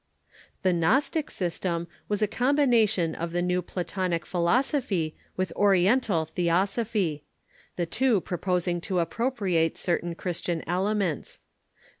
The Gnostic system was a combination of the new Platonic philosophy with Oriental theosophy, the two proposing to ap propriate certain Christian elements.